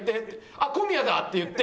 「あっ小宮だ！って言って」